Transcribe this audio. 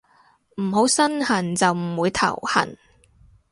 唔好身痕就唔會頭痕